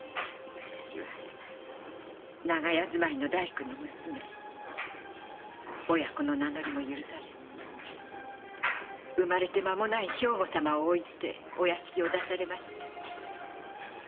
私は長屋住まいの大工の娘親子の名乗りも許されず生まれて間もない兵庫様を置いてお屋敷を出されました。